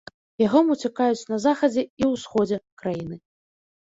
Яго мацюкаюць на захадзе і ўсходзе краіны.